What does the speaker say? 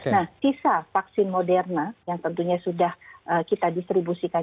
nah sisa vaksin moderna yang tentunya sudah kita distribusikan